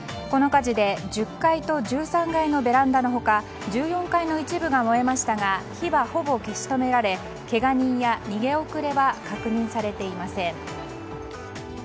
この火事で１０階と１３階のベランダの他１４階の一部が燃えましたが火は、ほぼ消し止められけが人や逃げ遅れは確認されていません。